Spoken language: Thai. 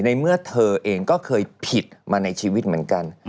ในเมื่อเธอเองก็เคยผิดมาในชีวิตเหมือนกัน